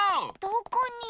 どこに？